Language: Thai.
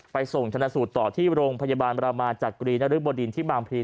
ไปส่งธนสูตรต่อที่โรงพยาบาลบรรมาจากกรีณฤบดินที่บางภีร์